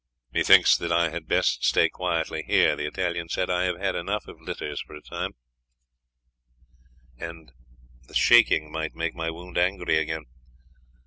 "Methinks that I had best stay quietly here," the Italian said. "I have had enough of litters for a time, and the shaking might make my wound angry again."